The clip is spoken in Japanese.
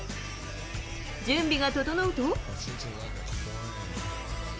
準備が整うと。